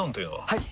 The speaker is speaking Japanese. はい！